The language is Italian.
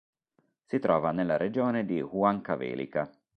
Si trova nella regione di Huancavelica.